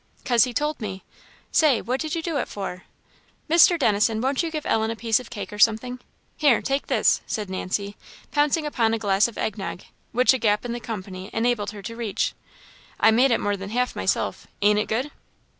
" 'Cause he told me. Say what did you do it for? Mr. Dennison, won't you give Ellen a piece of cake or something? Here take this," said Nancy, pouncing upon a glass of egg nog, which a gap in the company enabled her to reach; "I made it more than half myself. Ain't it good?"